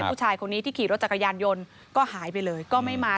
ผู้ชายคนนี้ที่ขี่รถจักรยานยนต์ก็หายไปเลยก็ไม่มา